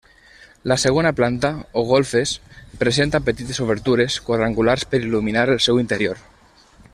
La segona planta o golfes presenta petites obertures quadrangulars per il·luminar el seu interior.